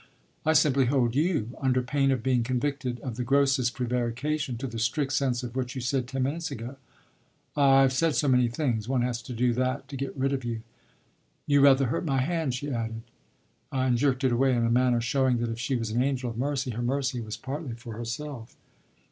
"I simply hold you, under pain of being convicted of the grossest prevarication, to the strict sense of what you said ten minutes ago." "Ah I've said so many things! One has to do that to get rid of you. You rather hurt my hand," she added and jerked it away in a manner showing that if she was an angel of mercy her mercy was partly for herself.